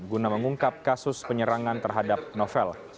guna mengungkap kasus penyerangan terhadap novel